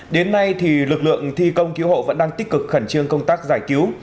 đến nay lực lượng thi công cứu hộ vẫn đang tích cực khẩn trương công tác giải cứu